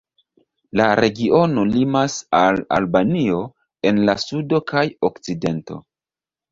La regiono limas al Albanio en la sudo kaj okcidento.